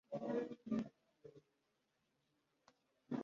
II Uko abaturage babona serivisi z ubuhinzi